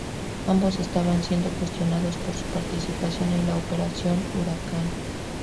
Ambos estaban siendo cuestionados por su participación en la Operación Huracán.